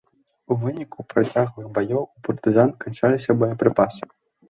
У выніку працяглых баёў у партызан канчаліся боепрыпасы.